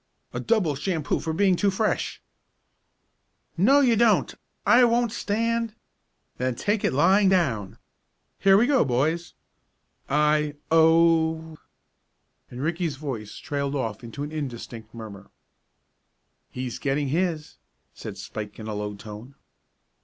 "A double shampoo for being too fresh!" "No, you don't! I won't stand " "Then take it lying down. Here we go, boys!" "I Oh " and Ricky's voice trailed off into an indistinct murmur. "He's getting his," said Spike in a low tone.